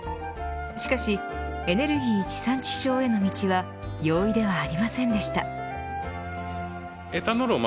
しかしエネルギー地産地消への道は容易ではありませんでした。